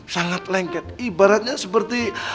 sangat lengket ibaratnya seperti